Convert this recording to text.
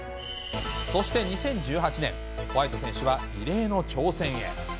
そして２０１８年、ホワイト選手は異例の挑戦へ。